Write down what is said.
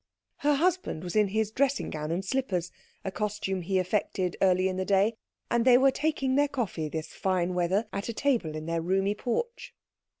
Her husband was in his dressing gown and slippers, a costume he affected early in the day, and they were taking their coffee this fine weather at a table in their roomy porch.